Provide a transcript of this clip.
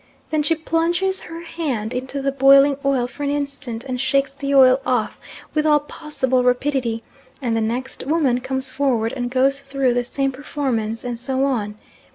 Then she plunges her hand into the boiling oil for an instant, and shakes the oil off with all possible rapidity, and the next woman comes forward and goes through the same performance, and so on.